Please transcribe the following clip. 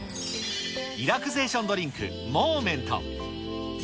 リラクセーションドリンク、モーメント。